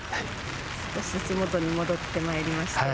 少しずつ元に戻ってまいりましたね。